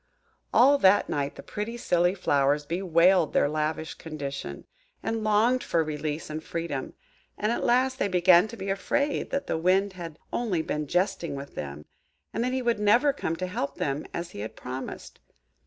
All that night the pretty silly flowers bewailed their lavish condition, and longed for release and freedom; and at last they began to be afraid that the Wind had only been jesting with them, and that he would never come to help them, as he had promised.